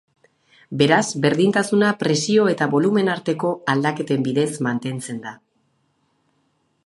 Beraz berdintasuna presio eta bolumen arteko aldaketen bidez mantentzen da.